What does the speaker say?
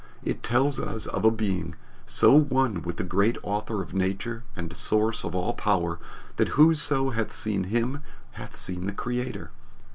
It tells us of a Being so one with the great Author of nature and Source of all power that whoso hath seen him hath seen the Creator.